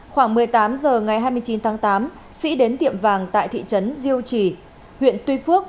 khoảng một mươi tám h ngày hai mươi chín tháng tám sĩ đến tiệm vàng tại thị trấn diêu trì huyện tuy phước